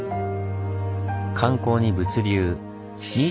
観光に物流。